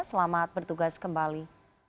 selamat bertugas kembali